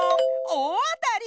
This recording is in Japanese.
おおあたり！